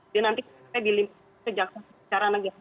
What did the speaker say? dan nanti bisa dilimpahkan ke jakarta secara negara